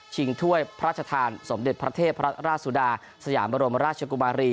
ถ้วยพระราชทานสมเด็จพระเทพราชสุดาสยามบรมราชกุมารี